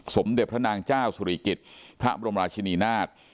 สมเด็จพระนางเจ้าสุริกิจพระบรมราชินีนาฏ